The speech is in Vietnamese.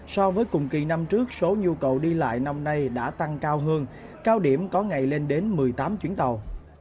so với cùng kỳ năm trước số nhu cầu đi lại năm nay đã tăng cao hơn cao điểm có ngày lên đến một mươi tám chuyến tàu